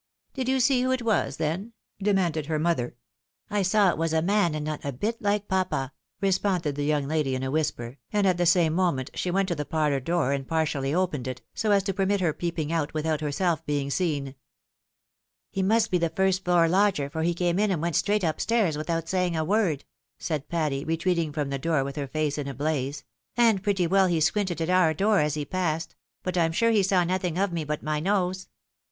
" Did you see who it was then? " demanded her mother. " I saw it was a man, and nqt a bit like papa," responded tlie N 210 THE WIDOW MARRIED. young lady in a whisper, and at the same moment she went to the parlour door and partially opened it, so as to permit her peeping out without being herself seen. " He must be the first floor lodger, for he came in and went straight up stairs without saying a word," said Patty, retreating from the door with her face in a blaze ;" and pretty well he squinted at our door as he passed ; but I'm sure he saw nothing of me but my nose."